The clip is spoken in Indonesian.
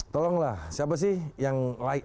tolonglah siapa sih yang